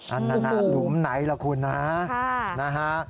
อันน่ะหลุมไหนละคุณนะฮะนะฮะ